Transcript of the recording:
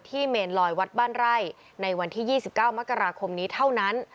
เมนลอยวัดบ้านไร่ในวันที่๒๙มกราคมนี้เท่านั้น